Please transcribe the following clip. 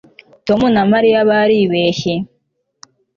Tom na Mariya baribeshye